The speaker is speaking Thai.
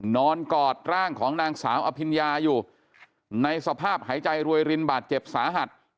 กอดร่างของนางสาวอภิญญาอยู่ในสภาพหายใจรวยรินบาดเจ็บสาหัส